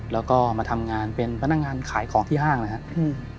แล้วก็มาทำงานเป็นพนักงานขายของที่ห้างนะครับ